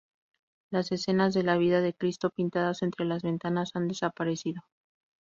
Las escenas de la Vida de Cristo, pintadas entre las ventanas, han desaparecido.